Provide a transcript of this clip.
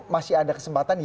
masih ada kesempatan yeni wahid